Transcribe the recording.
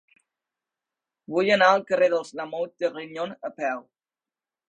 Vull anar al carrer dels Lamote de Grignon a peu.